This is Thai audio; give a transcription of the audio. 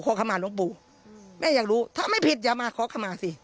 ขมาหลวงปู่แม่อยากรู้ถ้าไม่ผิดอย่ามาขอขมาสิ